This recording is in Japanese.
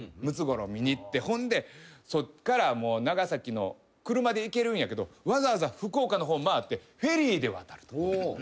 ムツゴロウ見に行ってほんでそっから長崎の車で行けるんやけどわざわざ福岡の方に回ってフェリーで渡ると。